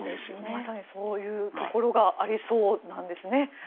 まさにそういうところがありそうなんですね。